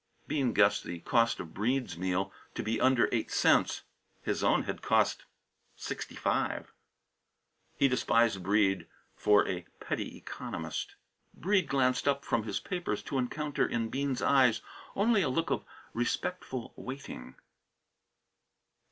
Bean guessed the cost of Breede's meal to be a bit under eight cents. His own had cost sixty five. He despised Breede for a petty economist. Breede glanced up from his papers to encounter in Bean's eyes only a look of respectful waiting.